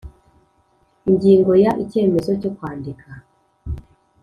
Ingingo ya icyemezo cyo kwandika